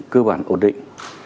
cơ bản ổn định